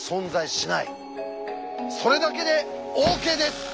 それだけでＯＫです！